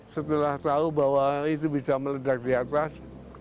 setelah tahu bahwa itu bisa meledak di atas